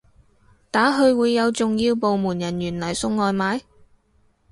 打去會有重要部門人員嚟送外賣？